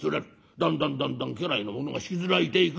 だんだんだんだん家来の者が引きずられていく。